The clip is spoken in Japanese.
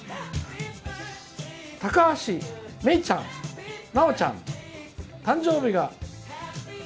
たかはしめいちゃんまおちゃん「誕生日が」。